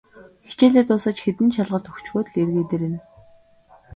Хичээлээ дуусаж, хэдэн шалгалт өгчхөөд л эргээд ирнэ.